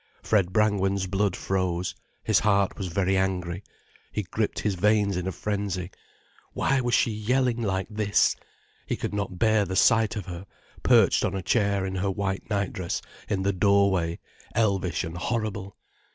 Fred Brangwen's blood froze, his heart was very angry. He gripped his veins in a frenzy. Why was she yelling like this? He could not bear the sight of her, perched on a chair in her white nightdress in the doorway, elvish and horrible.